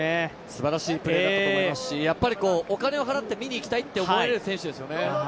すばらしいプレーだったと思いますし、やっぱりお金を払った見に行きたいと思われる選手ですよね。